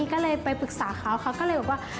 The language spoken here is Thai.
ก็เลยไปปรึกษาเขาเขาก็เลยบอกว่า